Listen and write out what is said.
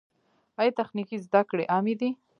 آیا تخنیکي زده کړې عامې دي؟